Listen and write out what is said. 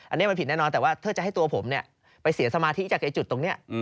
อันนี้มันผิดแน่นอนแต่ว่าถ้าจะให้ตัวผมไปเสียสมาธิจากจุดตรงนี้